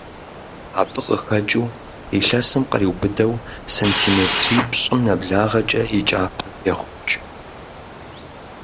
Абы къыхэкIыу, илъэсым къриубыдэу сантиметрипщIым нэблагъэкIэ и кIапэр пехъукI.